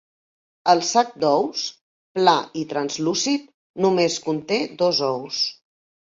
El sac d'ous, pla i translúcid, només conté dos ous.